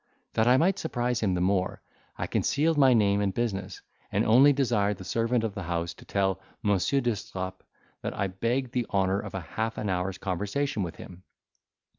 That I might surprise him the more, I concealed my name and business, and only desired the servant of the house to tell Monsieur d'Estrapes that I begged the honour of half an hour's conversation with him.